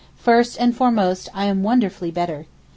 First and foremost I am wonderfully better.